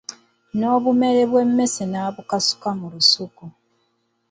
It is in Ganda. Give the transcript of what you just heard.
N’obumere bw’emmese n’abukasuka mu lusuku.